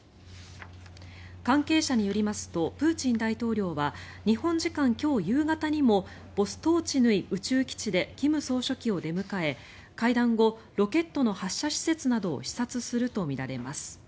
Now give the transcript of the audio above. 関係者によりますとプーチン大統領は日本時間今日夕方にもボストーチヌイ宇宙基地で金総書記を出迎え、会談後ロケットの発射施設などを視察するとみられます。